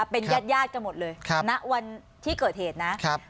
เป็นญาติกันหมดเลยณวันที่เกิดเหตุนะ